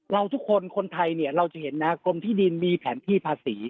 เราทุกคนคนไทยเนี่ยเราจะเห็นนะกรมที่ดินมีแผนที่ภาษี